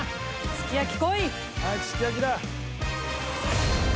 すき焼き。